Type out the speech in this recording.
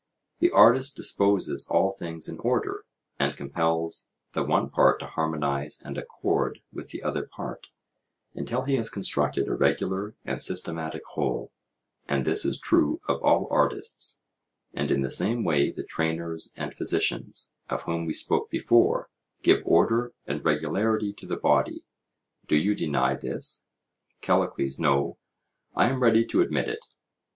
The artist disposes all things in order, and compels the one part to harmonize and accord with the other part, until he has constructed a regular and systematic whole; and this is true of all artists, and in the same way the trainers and physicians, of whom we spoke before, give order and regularity to the body: do you deny this? CALLICLES: No; I am ready to admit it.